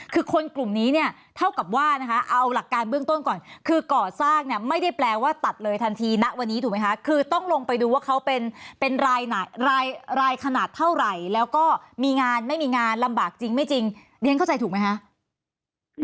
คือคนกลุ่มนี้เนี่ยเท่ากับว่านะคะเอาหลักการเบื้องต้นก่อนคือก่อสร้างเนี่ยไม่ได้แปลว่าตัดเลยทันทีณวันนี้ถูกไหมคะคือต้องลงไปดูว่าเขาเป็นรายขนาดเท่าไหร่แล้วก็มีงานไม่มีงานลำบากจริงไม่จริงเรียนเข้าใจถูกไหมคะ